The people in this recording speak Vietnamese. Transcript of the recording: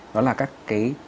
đó là các cơ sở